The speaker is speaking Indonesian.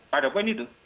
pada poin itu